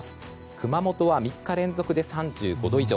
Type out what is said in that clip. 熊本は３日連続で３５度以上。